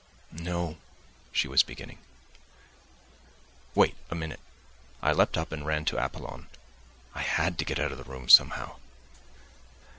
"No," she was beginning. "Wait a minute." I leapt up and ran to Apollon. I had to get out of the room somehow.